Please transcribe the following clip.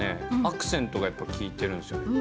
アクセントがやっぱ効いてるんですよね。